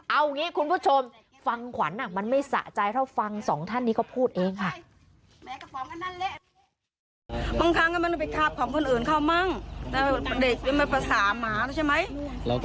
เอางี้คุณผู้ชมฟังขวัญมันไม่สะใจเท่าฟังสองท่านนี้เขาพูดเองค่ะ